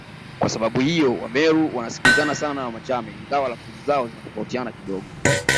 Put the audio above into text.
Kwa sababu hiyo Wameru wanasikilizana sana na Wamachame ingawa lafudhi zao zinatofautiana kidogo